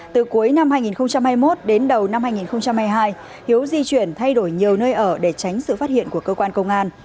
từ cuối năm hai nghìn hai mươi một đến đầu năm hai nghìn hai mươi hai hiếu di chuyển thay đổi nhiều nơi ở để tránh sự phát hiện của cơ quan công an